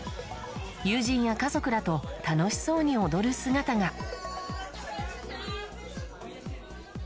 友人や家族らと楽しそうに踊る姿が。